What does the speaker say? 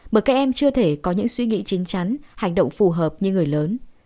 bởi các em chưa thể có những suy nghĩ chính chắn hành động phù hợp như người lớn